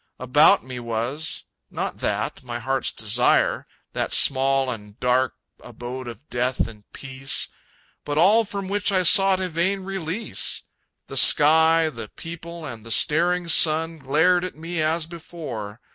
About me was not that, my heart's desire, That small and dark abode of death and peace But all from which I sought a vain release! The sky, the people and the staring sun Glared at me as before.